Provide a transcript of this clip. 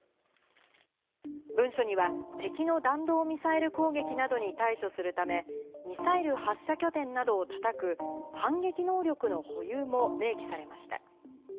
文書には、敵の弾道ミサイル攻撃などに対処するため、ミサイル発射拠点などをたたく反撃能力の保有も明記されました。